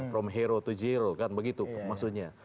from hero to zero kan begitu maksudnya